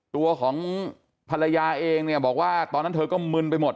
ตัวของภรรยาเองเนี่ยบอกว่าตอนนั้นเธอก็มึนไปหมด